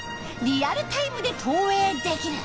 リアルタイムで投影できる。